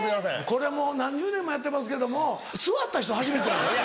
これもう何十年もやってますけども座った人初めてなんです。